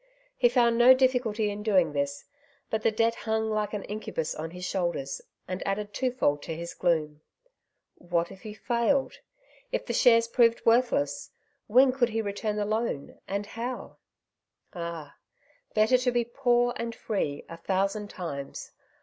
He found no difficulty in doing this ; but the debt hung like an incubus on his shoulders, and added twofold to his gloom. What if he failed ? if the shares proved worthless ? When could he return the loan, and how ? Ah ! better be poor and free^ a thousand times.